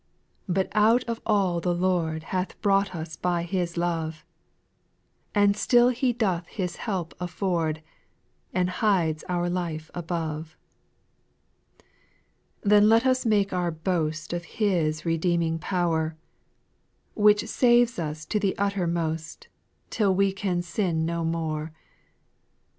But out of all the Lord Hath brought us by His love ; And still He doth his help afford, And hides our life above. 5. Then let us make our boast Of His redeeming power, Which saves us to the uttermost, Till we can sin no more. 6.